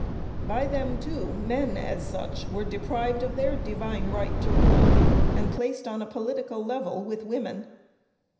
By them, too, men, as such, were deprived of their divine right to rule, and placed on a political level with women.